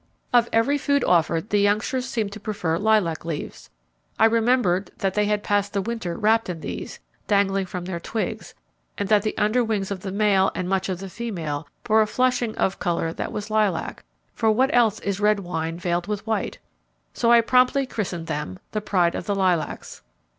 Of every food offered, the youngsters seemed to prefer lilac leaves; I remembered that they had passed the winter wrapped in these, dangling from their twigs, and that the under wings of the male and much of the female bore a flushing of colour that was lilac, for what else is red wine veiled with white? So I promptly christened them, 'The Pride of the Lilacs.'